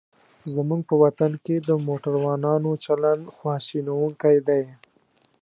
زموږ په وطن کې د موټروانانو چلند خواشینوونکی دی.